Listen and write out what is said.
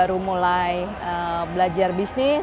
baru mulai belajar bisnis